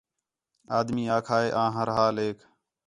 آدمی آکھا ہِے آں ہر جالیک